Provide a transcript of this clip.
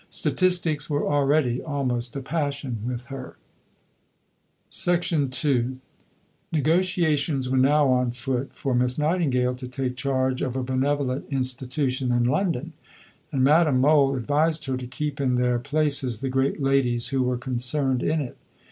Statistics were already almost a passion with her. II Negotiations were now on foot for Miss Nightingale to take charge of a benevolent institution in London, and Madame Mohl advised her to keep in their places the great ladies who were concerned in it.